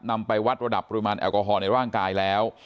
นำไปวัดระดับปริมาณแอลกอฮอลในร่างกายแล้ว